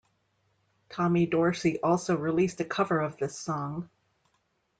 Tommy Dorsey also released a cover of this song.